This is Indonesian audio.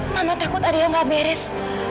karena takut ada yang gak beres